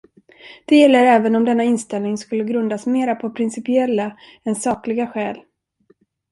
Det gäller även om denna inställning skulle grundas mera på principiella än sakliga skäl.